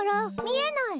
みえない？